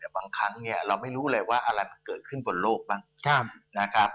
บางครั้งเราไม่รู้เลยว่าอะไรมันเกิดขึ้นบนโลกบ้าง